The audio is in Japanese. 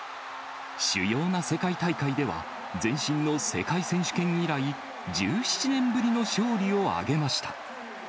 主要な世界大会では、前身の世界選手権以来、１７年ぶりの勝利を挙げました。